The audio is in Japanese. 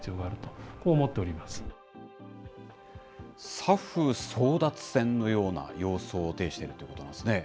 ＳＡＦ争奪戦のような様相をていしているということなんですね。